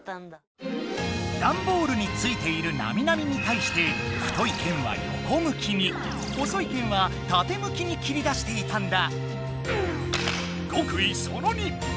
ダンボールについているなみなみにたいして太い剣はよこ向きに細い剣はたて向きに切り出していたんだ。